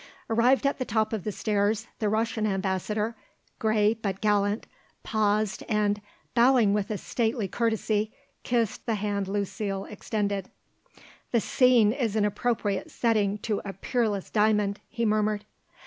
Arrived at the top of the stairs, the Russian Ambassador, grey but gallant, paused and, bowing with a stately courtesy, kissed the hand Lucile extended. "The scene is an appropriate setting to a peerless diamond," he murmured.